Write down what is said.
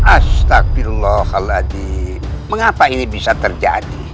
astagfirullahaladzim mengapa ini bisa terjadi